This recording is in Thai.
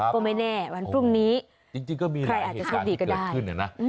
ก็ไม่แน่วันพรุ่งนี้ใครอาจจะโชคดีก็ได้